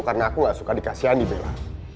karena aku gak suka dikasihani bella